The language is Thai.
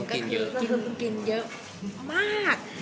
ก็คือคุณกินเยอะมาก